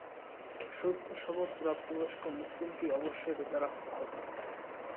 সুস্থ-সবল প্রাপ্তবয়স্ক মুসলিমকে অবশ্যই রোজা রাখতে হবে।